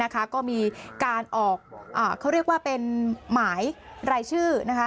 ก็มีการออกเขาเรียกว่าเป็นหมายรายชื่อนะคะ